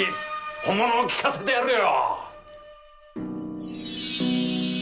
本物を聞かせてやるよ！